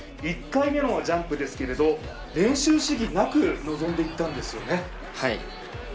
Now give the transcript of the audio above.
１回目のジャンプですけれど練習試技なく臨んでいったんですよね。